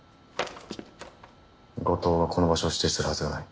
五藤がこの場所を指定するはずがない。